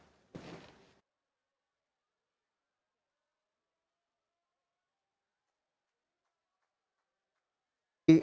satu lagi satu lagi